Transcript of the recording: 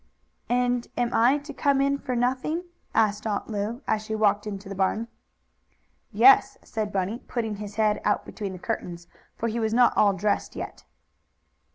"And am I to come in for nothing?" asked Aunt Lu, as she walked into the barn. "Yes," said Bunny, putting his head out between the curtains, for he was not all dressed yet.